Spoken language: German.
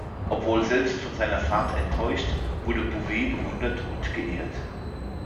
Obwohl selbst von seiner Fahrt enttäuscht, wurde Bouvet bewundert und geehrt.